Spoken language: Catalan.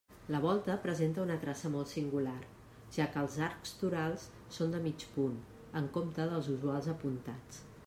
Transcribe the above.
La volta presenta una traça molt singular, ja que els arcs torals són de mig punt, en compte dels usuals apuntats.